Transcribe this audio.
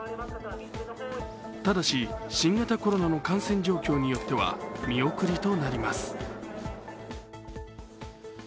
ただし、新型コロナの感染状況によっては見送りとなります。